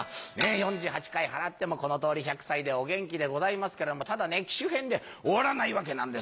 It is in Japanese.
４８ 回払ってもこの通り１００歳でお元気でございますけどもただね機種変で終わらないわけなんです。